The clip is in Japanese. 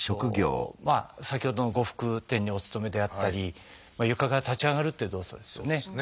先ほどの呉服店にお勤めであったり床から立ち上がるっていう動作ですよね。